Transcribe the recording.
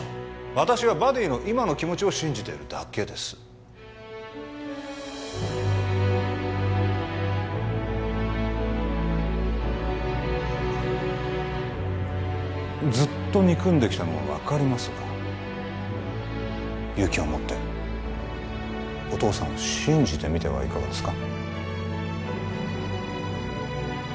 私はバディの今の気持ちを信じてるだけですずっと憎んできたのは分かりますが勇気を持ってお父さんを信じてみてはいかがですか？